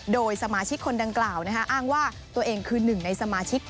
โดยสมาชิกคนดังกล่าวอ้างว่าตัวเองคือหนึ่งในสมาชิก